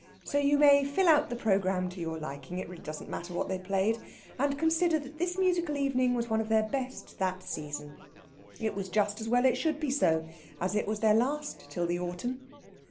So you may fill out the programme to your liking it really doesn't matter what they played and consider that this musical evening was one of their best that season. It was just as well it should be so, as it was their last till the autumn.